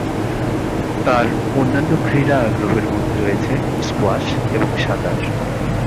তার অন্যান্য ক্রীড়া আগ্রহের মধ্যে রয়েছে স্কোয়াশ এবং সাঁতার।